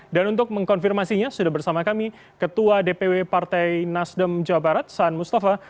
dan untuk mengkonfirmasinya sudah bersama kami ketua dpw partai nasdem jawa barat saan mustafa